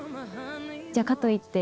じゃあかといって。